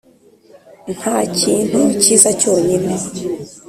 nta kintu kiza cyonyine.